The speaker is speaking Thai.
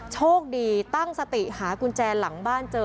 โชคดีตั้งสติหากุญแจหลังบ้านเจอ